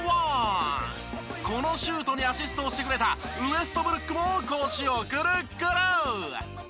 このシュートにアシストをしてくれたウェストブルックも腰をクルックル！